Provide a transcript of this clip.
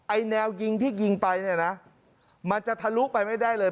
แนวยิงที่ยิงไปเนี่ยนะมันจะทะลุไปไม่ได้เลย